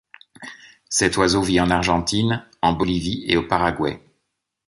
Cet oiseau vit en Argentine, en Bolivie et au Paraguay.